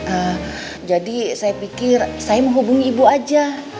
eee jadi saya pikir saya menghubungi ibu aja